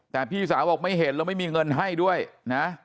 แต่พี่สาวบอกไม่เห็นแล้วไม่มีเงินให้ด้วยนะ